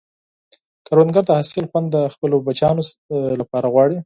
کروندګر د حاصل خوند د خپلو بچیانو لپاره غواړي